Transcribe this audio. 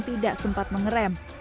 tidak sempat mengerem